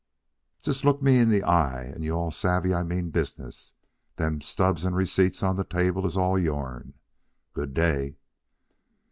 "Just look me in the eye, and you all'll savvee I mean business. Them stubs and receipts on the table is all yourn. Good day."